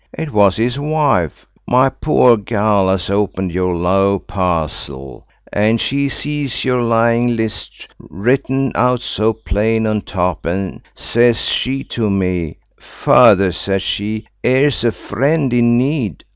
It was his wife–my pore gell–as opened your low parcel, and she sees your lying list written out so plain on top, and, sez she to me, 'Father,' says she, 'ere's a friend in need!